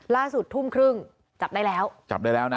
ล่าสุดทุ่มครึ่งจับได้แล้วจับได้แล้วนะ